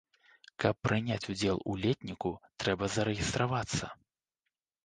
Каб прыняць удзел у летніку, трэба зарэгістравацца.